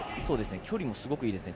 距離もすごくいいですね。